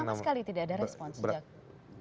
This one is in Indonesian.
sama sekali tidak ada respon sejak real itu